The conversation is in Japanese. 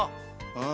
うん。